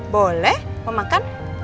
boleh mau makan